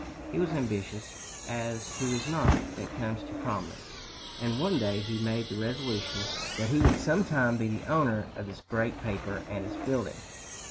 He was ambitious, as who is not, that comes to prominence; and one day he made the resolution that he would sometime be the owner of this great paper and its building!